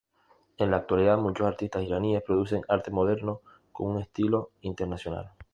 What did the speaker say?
En la actualidad muchos artistas iraníes producen arte moderno con un estilo internacional.